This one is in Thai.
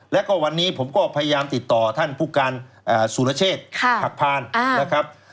แล้วก็วันนี้ผมก็พยายามติดต่อท่านผู้การสุรเชษฐ์หักพานนะครับ